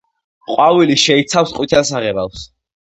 ყვავილი შეიცავს ყვითელ საღებავს.